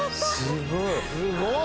すごい！